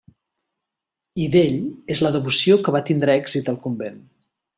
I d'ell és la devoció que va tindre èxit al convent.